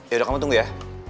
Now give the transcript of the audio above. yaudah kamu tunggu ya